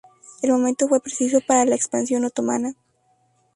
El momento fue preciso para la expansión otomana.